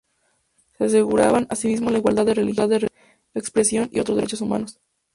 Se aseguraban asimismo la igualdad de religión, expresión y otros derechos humanos.